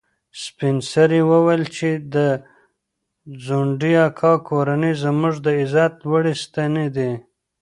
سپین سرې وویل چې د ځونډي اکا کورنۍ زموږ د عزت لوړې ستنې دي.